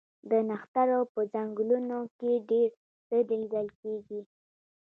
د نښترو په ځنګلونو کې ډیر څه لیدل کیږي